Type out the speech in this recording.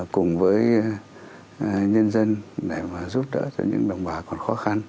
cùng với nhân dân để mà giúp đỡ cho những đồng bào còn khó khăn